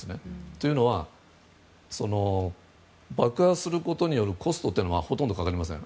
というのは、爆破することによるコストというのはほとんどかかりません。